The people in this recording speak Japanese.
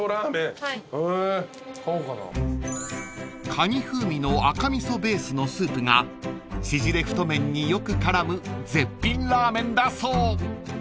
［カニ風味の赤味噌ベースのスープが縮れ太麺によく絡む絶品ラーメンだそう］